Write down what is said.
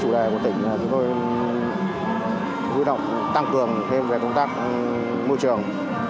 đảm bảo công tác vệ sinh môi trường